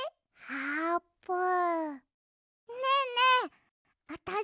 あーぷん。